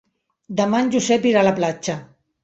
Demà en Josep irà a la platja.